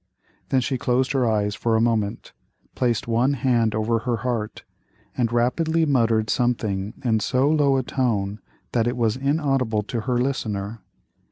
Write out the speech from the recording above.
—then she closed her eyes for a moment, placed one hand over her heart, and rapidly muttered something in so low a tone that it was inaudible to her listener.